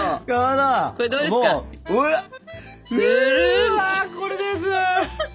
うわこれです！